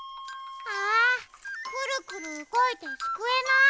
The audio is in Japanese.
あくるくるうごいてすくえない。